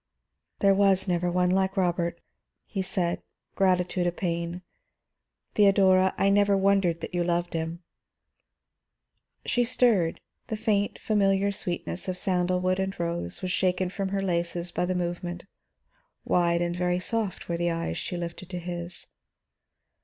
"There was never one like Robert," he said, gratitude a pain. "Theodora, I never wondered that you loved him." She stirred, the faint, familiar sweetness of sandalwood and rose was shaken from her laces by the movement; wide and very soft were the eyes she lifted to his.